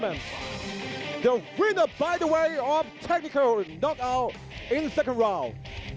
เบลูอัลเลคเนอร์เป็นผู้ชมครับในรุ่นที่สองครับ